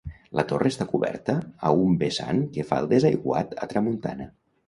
La torre està coberta a un vessant que fa el desaiguat a tramuntana.